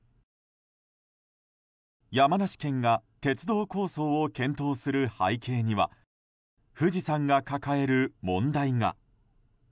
山梨県が鉄道構想を検討する背景には富士山が抱える問題が。